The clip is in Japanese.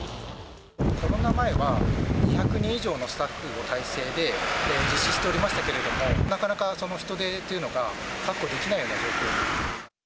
コロナ前は２００人以上のスタッフの態勢で実施しておりましたけれども、なかなかその人手というのが確保できないような状況で。